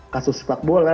kasus sepak bola